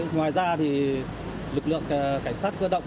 ngoài ra thì lực lượng cảnh sát thơ động